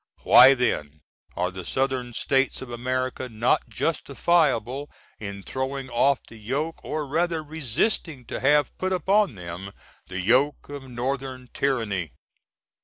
Why then are the Sovereign States of America not justifiable in throwing off the yoke or rather resisting to have put upon them, the yoke, of Northern Tyranny?